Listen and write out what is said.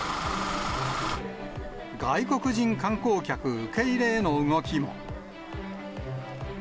外国人観光客受け入れへの動きも。